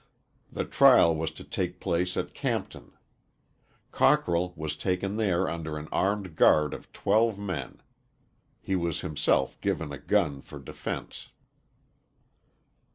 The trial was to take place at Campton. Cockrell was taken there under an armed guard of twelve men. He was himself given a gun for defence.